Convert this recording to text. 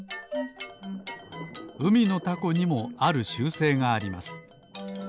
うみのタコにもある習性があります。